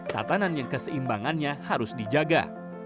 tatanan yang keseimbangannya harus dijaga